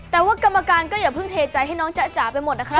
แต่ว่ากรรมการก็อย่าเพิ่งเทใจให้น้องจ๊ะจ๋าไปหมดนะคะ